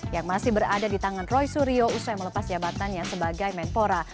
yang masih berada di tangan roy suryo usai melepas jabatannya sebagai menpora